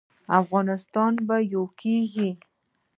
افغانستان به یو کیږي؟